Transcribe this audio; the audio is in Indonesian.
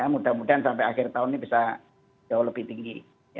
mudah mudahan sampai akhir tahun ini bisa jauh lebih tinggi